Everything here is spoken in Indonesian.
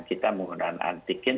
kita menggunakan antigen